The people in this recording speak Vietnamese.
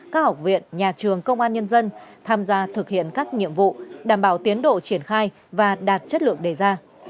các học viện nhà trường công an nhân dân tham gia thực hiện các nhiệm vụ đảm bảo tiến độ triển khai và đạt chất lượng đề ra